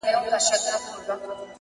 د زړه كاڼى مــي پــر لاره دى لــوېـدلى;